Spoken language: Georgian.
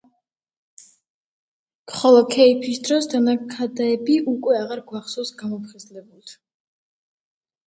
ამგვარად, იგი მჭიდროდ იყო დაკავშირებული ლიტვასთან.